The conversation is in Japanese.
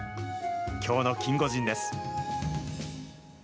きょうのキンゴジンです。